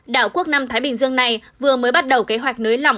đảo quốc nam thái bình dương này vừa mới bắt đầu kế hoạch nới lỏng